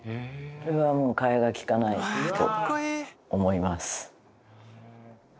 これはもう替えがきかないと思います。